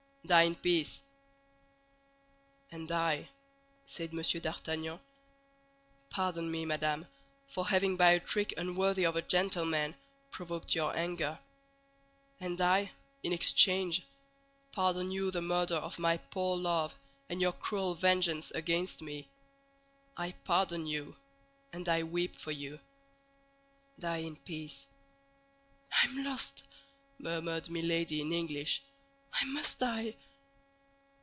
Die in peace!" "And I," said M. d'Artagnan. "Pardon me, madame, for having by a trick unworthy of a gentleman provoked your anger; and I, in exchange, pardon you the murder of my poor love and your cruel vengeance against me. I pardon you, and I weep for you. Die in peace!" "I am lost!" murmured Milady in English. "I must die!"